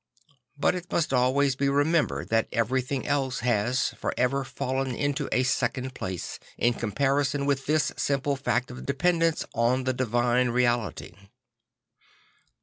But it must always be remembered that every thing else has for ever fallen into a second place, in comparison with this simple fact of dependence on the divine reality.